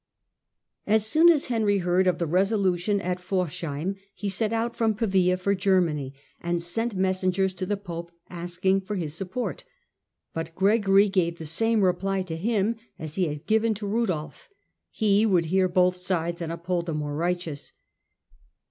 As soon as Henry heard of the resolution at Forcheim, he set out from Pavia for Germany, and sent messengers The king ^*^® P^P® «sking for his support; but GeraSlyv Gregory gave the same reply to him as he had April 1077 given to Rudolf: he would hear both sides und uphold the more righteous.